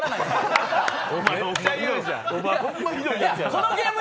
このゲーム